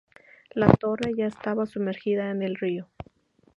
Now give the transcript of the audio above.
La torre ya estaba sumergida en el río.